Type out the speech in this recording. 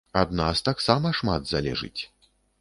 Ад нас таксама шмат залежыць.